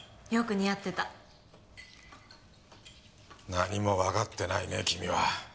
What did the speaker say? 何もわかってないね君は。